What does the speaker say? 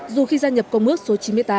dù khi gia nhập công ước số chín mươi tám